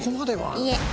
いえ。